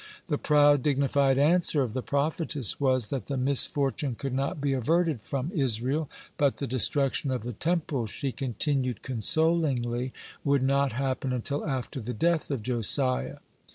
The proud, dignified answer of the prophetess was, that the misfortune could not be averted from Israel, but the destruction of the Temple, she continued consolingly, would not happen until after the death of Josiah.